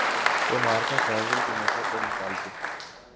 تو معرکہ کارگل کے موقع پہ نکالتے۔